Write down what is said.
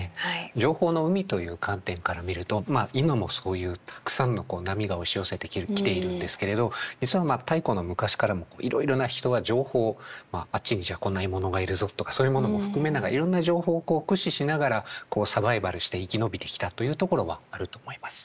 情報の海という観点から見ると今もそういうたくさんの波が押し寄せてきているんですけれど実は太古の昔からもいろいろな人が情報あっちにじゃあこんな獲物がいるぞとかそういうものも含めながらいろんな情報をこう駆使しながらサバイバルして生き延びてきたというところはあると思います。